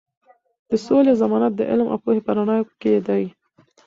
د سولې ضمانت د علم او پوهې په رڼا کې دی.